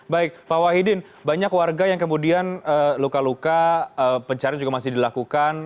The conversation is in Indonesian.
baik pak wahidin banyak warga yang kemudian luka luka pencarian juga masih dilakukan